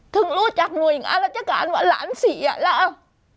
ถึงรู้จากหน่วยงานราชการว่าหลานเสียแล้ว